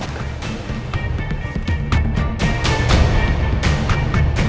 dari kantor polisi